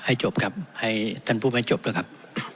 จบครับให้ท่านพูดให้จบแล้วครับ